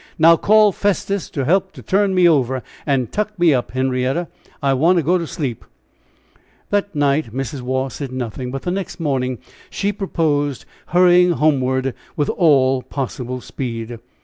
Now call Festus to help to turn me over, and tuck me up, Henrietta; I want to go to sleep!" That night Mrs. Waugh said nothing, but the next morning she proposed hurrying homeward with all possible speed.